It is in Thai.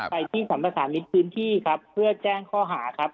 ไปที่สรรพสามิตรพื้นที่ครับเพื่อแจ้งข้อหาครับ